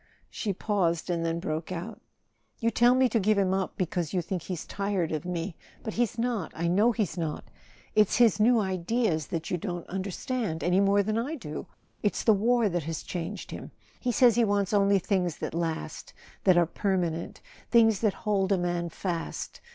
She paused, and then broke out: "You tell me to give him up because you think he's tired of me. But he's not—I know he's not! It's his new ideas that you don't understand, any more than I do. It's the war that has changed him. He says he wants only things that last—that are per¬ manent—things that hold a man fast.